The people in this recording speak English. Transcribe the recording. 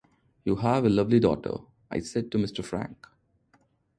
'You have a lovely daughter', I said to Mr. Frank.